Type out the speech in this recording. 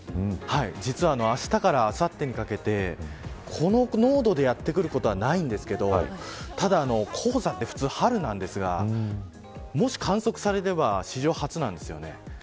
実はあしたからあさってにかけてこの濃度でやって来ることはないんですけどただ黄砂は普通春なんですがもし観測されれば史上初なんです。